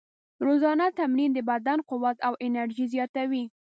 روزانه تمرین د بدن قوت او انرژي زیاتوي.